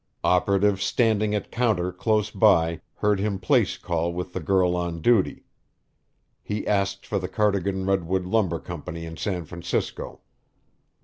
Operative standing at counter close by heard him place call with the girl on duty. He asked for the Cardigan Redwood Lumber Company in San Francisco.